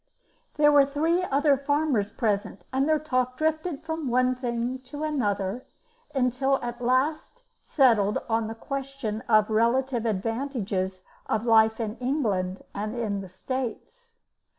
There were three other farmers present, and their talk drifted from one thing to another until it at last settled on the question of the relative advantages of life in England and the States.